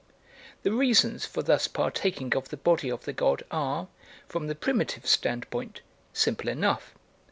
The reasons for thus partaking of the body of the god are, from the primitive standpoint, simple enough.